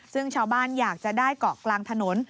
ซึ่งชาวบ้านอยากจะได้เกาะกลางถนน